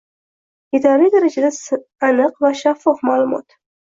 - etarli darajada aniq va shaffof ma'lumot;